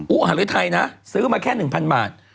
อู้อาหารเรือไทยนะซื้อมาแค่๑๐๐๐บาท